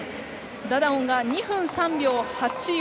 ダダオンが２分３秒８４。